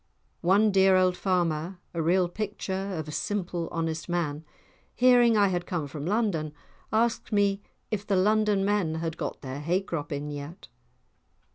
One dear old farmer, a real picture of a simple honest man, hearing I had come from London, asked me if the London men had got their hay crop in yet!